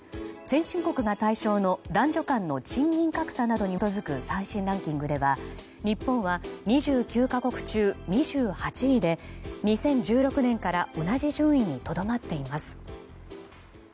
先進国が対象の男女間の賃金格差などに基づく最新ランキングでは日本は２９か国中２８位で２０１６年から同じ順位にとどまっています。